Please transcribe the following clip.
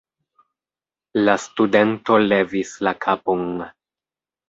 La studento levis la kapon.